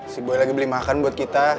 si boleh lagi beli makan buat kita